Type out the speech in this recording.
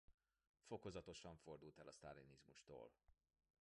Fokozatosan fordult el a sztálinizmustól.